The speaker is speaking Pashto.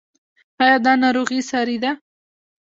ایا دا ناروغي ساري ده؟